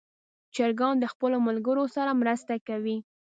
چرګان د خپلو ملګرو سره مرسته کوي.